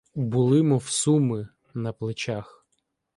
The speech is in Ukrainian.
Були, мов суми, на плечах.